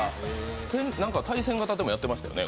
対戦型でもやってましたよね